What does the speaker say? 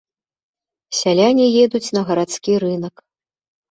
Сяляне едуць на гарадскі рынак.